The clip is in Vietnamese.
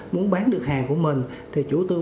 muốn bán được hàng của mình thì chủ tư